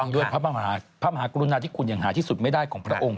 ด้วยพระมหากรุณาที่คุณอย่างหาที่สุดไม่ได้ของพระองค์